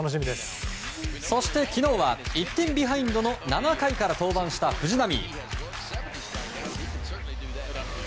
そして、昨日は１点ビハインドの７回から登板した藤浪。